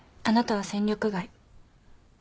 あなたは戦力外。